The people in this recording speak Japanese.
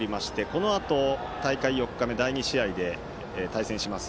このあと大会４日目第２試合で対戦します